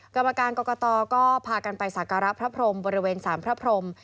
กรรมการกรกตก็พากันไปสักการะพระพรมบริเวณสารพระพรม